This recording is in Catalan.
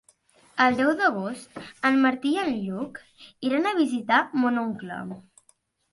El deu d'agost en Martí i en Lluc iran a visitar mon oncle.